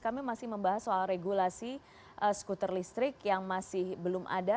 kami masih membahas soal regulasi skuter listrik yang masih belum ada